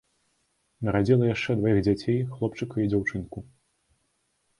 Нарадзіла яшчэ дваіх дзяцей, хлопчыка і дзяўчынку.